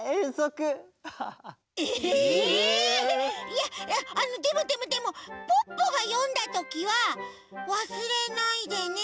いやいやでもでもでもポッポがよんだときは「わすれないでね。